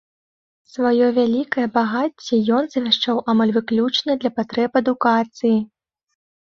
Сваё вялікае багацце ён завяшчаў амаль выключна для патрэб адукацыі.